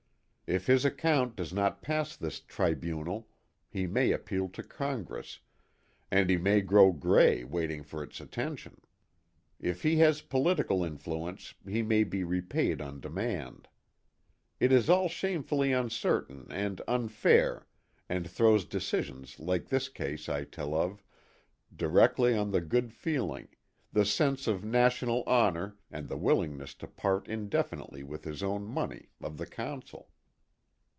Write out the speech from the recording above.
If his account does not pass this tribunal, he may appeal to Congress and he may grow gray waiting for its attention. If he has political influence he may be repaid on demand. It is all shamefully uncertain and un fair and throws decisions like this case I tell of directly on the good feeling, the sense of national honor and the willingness to pait indefinitely with his own money, of the Consul.